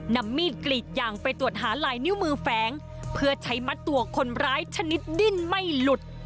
นำมีดกรีดยางไปตรวจหาลายนิ้วมือแฝงเพื่อใช้มัดตัวคนร้ายชนิดดิ้นไม่หลุด